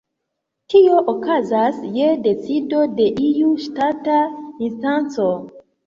Tio okazas je decido de iu ŝtata instanco.